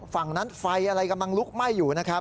ฝั่งนั้นไฟอะไรกำลังลุกไหม้อยู่นะครับ